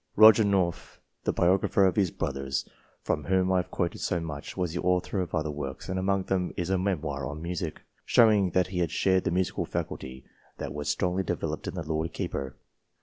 Roger North, the biographer of his brothers, from whom I have quoted so much, was the author of other works, and among them is a memoir on Music, showing that he shared the musical faculty that was strongly developed in the Lord Keeper.